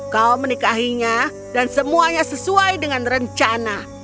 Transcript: kau menikahinya dan semuanya sesuai dengan rencana